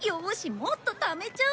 もっとためちゃおう。